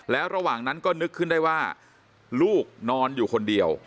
แล้วระหว่างนั้นก็นึกขึ้นได้ว่าลูกนอนอยู่คนเดียว